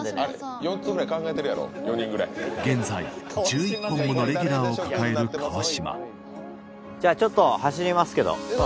現在１１本ものレギュラーを抱える川島じゃあちょっと走りますけど。